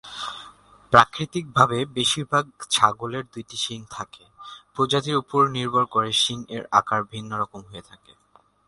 প্রাকৃতিকভাবে বেশিরভাগ ছাগলের দুইটি শিং থাকে, প্রজাতির উপর নির্ভর করে শিং-এর আকার ভিন্ন রকম হয়ে থাকে।